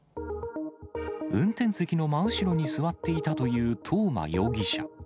運転席の真後ろに座っていたという東間容疑者。